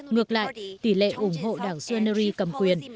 ngược lại tỷ lệ ủng hộ đảng suneri cầm quyền